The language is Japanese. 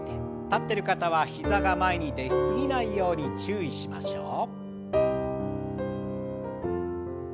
立ってる方は膝が前に出過ぎないように注意しましょう。